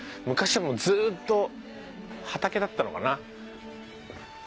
昔はもうずっと畑だったのかな？